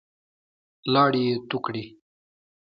لاړې يې تو کړې.